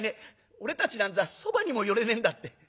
俺たちなんざそばにも寄れねえんだ』って。